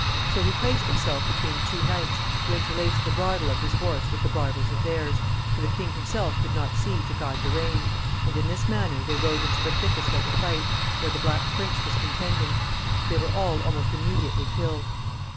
So he placed himself between two knights, who interlaced the bridle of his horse with the bridles of theirs, for the king himself could not see to guide the reins, and in this manner they rode into the thickest of the fight, where the Black Prince was contending. They were all almost immediately killed.